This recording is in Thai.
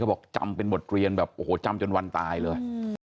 เขาบอกจำเป็นหมดเรียนจำจนวันตายเลย